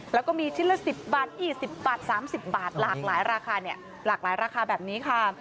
แล้วก็มีชิ้นละ๑๐บาทอีก๑๐บาท๓๐บาทหลากหลายราคาแบบนี้ค่ะ